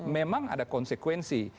memang ada konsekuensi